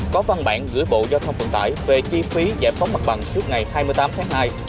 có văn bản gửi bộ giao thông vận tải về chi phí giải phóng mặt bằng trước ngày hai mươi tám tháng hai